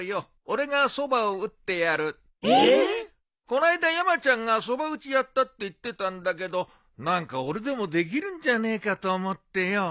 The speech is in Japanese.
こないだ山ちゃんがそば打ちやったって言ってたんだけど何か俺でもできるんじゃねえかと思ってよ。